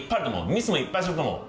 ミスもいっぱいすると思う。